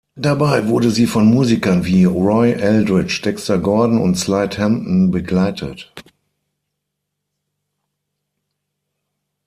Dabei wurde sie von Musikern wie Roy Eldridge, Dexter Gordon und Slide Hampton begleitet.